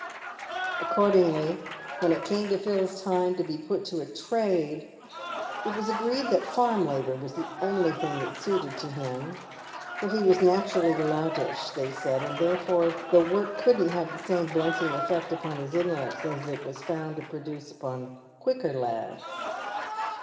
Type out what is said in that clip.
Accordingly, when it came to Phil's time to be put to a trade, it was agreed that farm labour was the only thing suited to him, for he was naturally loutish, they said, and therefore the work couldn't have the same blunting effect upon his intellects as it was found to produce upon quicker lads.